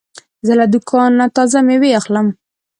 زه له دوکانه تازه مېوې اخلم.